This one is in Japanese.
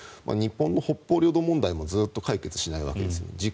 日本の北方領土問題もずっと解決しないわけですから。